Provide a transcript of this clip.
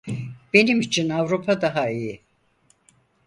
Benim için Avrupa daha iyi.